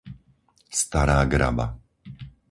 Stará Graba